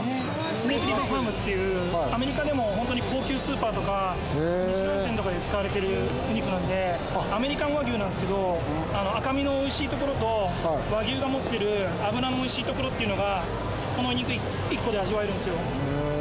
スネークリバーファームっていうアメリカでもホントに高級スーパーとかミシュラン店とかで使われているお肉なんでアメリカンＷＡＧＹＵなんですけど赤身のおいしいところと和牛が持ってる脂のおいしいところっていうのがこの肉１個で味わえるんですよ